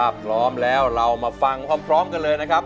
ถ้าพร้อมแล้วเรามาฟังพร้อมกันเลยนะครับ